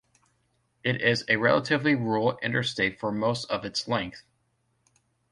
It is a relatively rural interstate for most of its length.